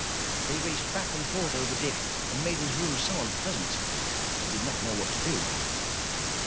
They raced back and forth over Dick, and made his room so unpleasant that he did not know what to do.